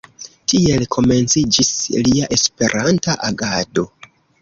Tiel komenciĝis lia Esperanta agado.